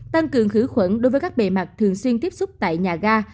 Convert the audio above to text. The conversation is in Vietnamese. tăng cường khử khuẩn đối với các bề mặt thường xuyên tiếp xúc tại nhà ga